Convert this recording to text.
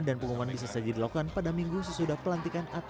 dan pengumuman bisa saja dilakukan pada minggu sesudah pelantikan